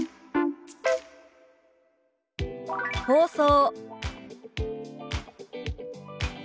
「放送」。